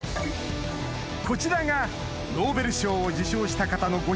こちらがノーベル賞を受賞した方のご